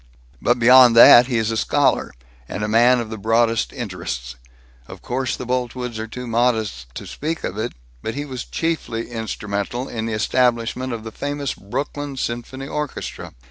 But beyond that, he is a scholar, and a man of the broadest interests. Of course the Boltwoods are too modest to speak of it, but he was chiefly instrumental in the establishment of the famous Brooklyn Symphony Orchestra.